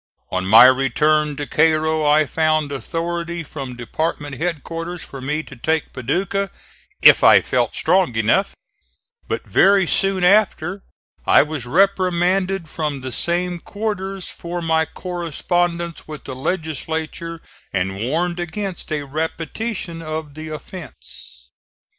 On my return to Cairo I found authority from department headquarters for me to take Paducah "if I felt strong enough," but very soon after I was reprimanded from the same quarters for my correspondence with the legislature and warned against a repetition of the offence.